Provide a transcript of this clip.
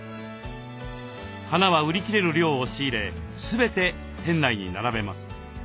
花は売り切れる量を仕入れ全て店内に並べます。